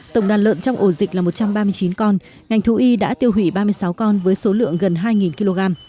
tổng đàn lợn trong ổ dịch là một trăm ba mươi chín con ngành thú y đã tiêu hủy ba mươi sáu con với số lượng gần hai kg